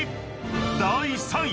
［第３位］